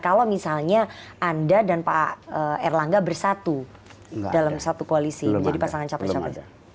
kalau misalnya anda dan pak erlangga bersatu dalam satu koalisi menjadi pasangan capres capres